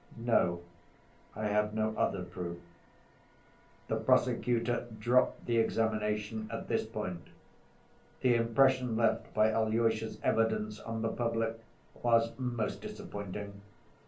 "No, I have no other proof." The prosecutor dropped the examination at this point. The impression left by Alyosha's evidence on the public was most disappointing.